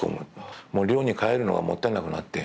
寮に帰るのがもったいなくなって。